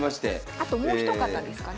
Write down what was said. あともう一方ですかね。